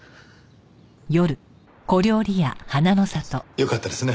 よかったですね